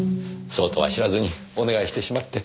そうとは知らずにお願いしてしまって。